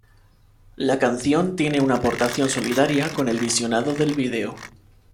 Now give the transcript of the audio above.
La canción tiene una aportación solidaria con el visionado del vídeo.